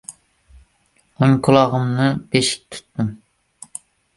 O‘ng qulog‘imni beshik tutdim.